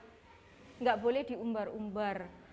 enggak boleh diumbar umbar